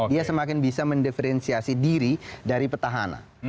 dia semakin bisa mendiferensiasi diri dari petahana